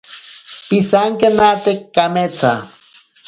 Pisankenate kametsa.